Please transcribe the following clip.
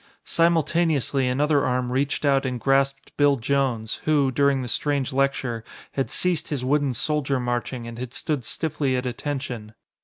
Simultaneously another arm reached out and grasped Bill Jones, who, during the strange lecture, had ceased his wooden soldier marching and had stood stiffly at attention.